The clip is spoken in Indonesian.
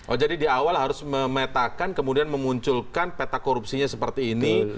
oh jadi di awal harus memetakan kemudian memunculkan peta korupsinya seperti ini